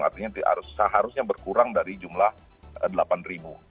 artinya seharusnya berkurang dari jumlah delapan ribu